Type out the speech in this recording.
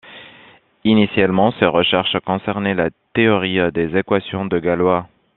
Initialement, ses recherches concernaient la théorie des équations de Galois.